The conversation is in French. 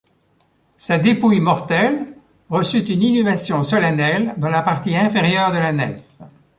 Sa dépouille mortelle reçut une inhumation solennelle dans la partie inférieure de la nef.